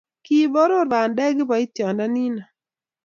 Kiboror bandek kiboitionde nino